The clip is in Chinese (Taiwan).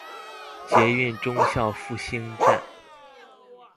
捷運忠孝復興站